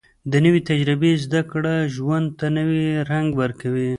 د نوې تجربې زده کړه ژوند ته نوې رنګ ورکوي